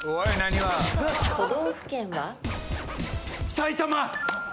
埼玉！